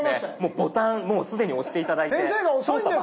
ボタンもう既に押して頂いて。